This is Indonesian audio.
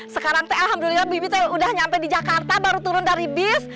sekarang teh alhamdulillah bibi teh udah nyampe di jakarta baru turun dari bis